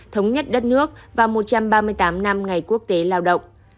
thống nhất đất nước và một trăm ba mươi tám năm ngày quốc tế lao động